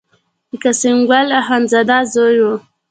د قسیم ګل اخوندزاده زوی و.